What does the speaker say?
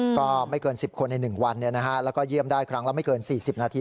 ก็ไม่เกิน๑๐คนใน๑วันแล้วก็เยี่ยมได้ครั้งละไม่เกิน๔๐นาที